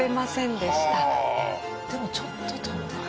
でもちょっと飛んでる。